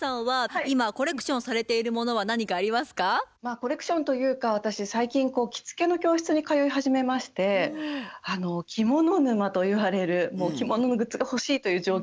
コレクションというか私最近着付けの教室に通い始めまして着物沼といわれるもう着物のグッズが欲しいという状況になっています。